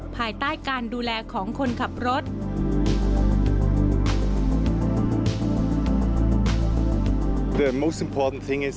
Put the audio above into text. ภายใต้การดูแลของคนขับรถ